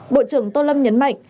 bộ trưởng tô lâm nhấn mạnh